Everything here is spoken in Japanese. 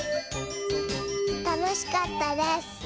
たのしかったです！